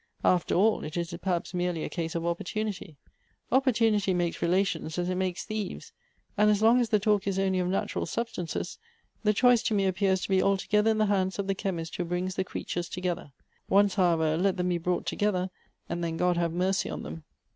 After all, it is perhaps merely a case of opportunity. Opportunity makes relations as it makes thieves ; and as long as the talk is only of natural substances, the choice to me ap pears to be altogether in the hands of the chemist who brings the creatures together. Once, however, let them be brought together, and then God have mercy on them.